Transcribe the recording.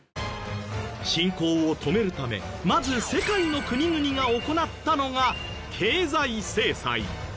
侵攻を止めるためまず世界の国々が行ったのが経済制裁。